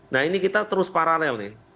nah ini kita terus paralel nih